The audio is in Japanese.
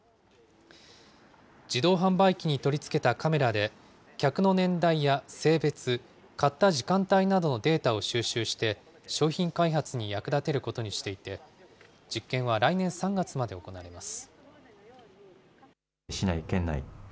自動販売機に取り付けたカメラで、客の年代や性別、買った時間帯などのデータを収集して、商品開発に役立てることにしていて、実験は来年３月まで行われます。